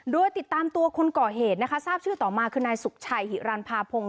โดยติดตามตัวคนก่อเหตุนะคะทราบชื่อต่อมาคือนายสุขชัยหิรันภาพง